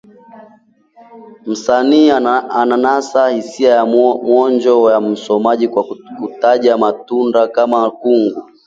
Msanii ananasa hisia ya mwonjo ya msomaji kwa kutaja matunda kama kungu